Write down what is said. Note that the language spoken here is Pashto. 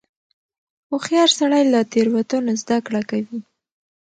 هوښیار سړی له تېروتنو زده کړه کوي.